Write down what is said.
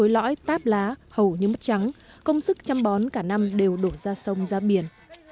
lõi táp lá hầu như mất trắng công sức chăm bón cả năm đều đổ ra sông ra biển